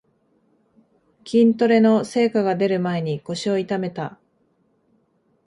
筋トレの成果がでる前に腰を痛めた